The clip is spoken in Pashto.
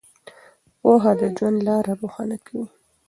پوهه د ژوند لاره روښانه کوي.